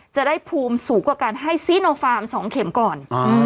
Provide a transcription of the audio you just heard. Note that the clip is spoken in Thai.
จะได้ภูมิสูงกว่าการให้ซีโนฟาร์ม๒เข็มก่อน